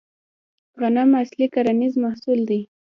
غنم اصلي کرنیز محصول دی